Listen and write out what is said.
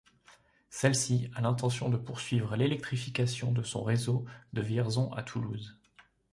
Celle-ci a l'intention de poursuivre l'électrification de son réseau de Vierzon à Toulouse.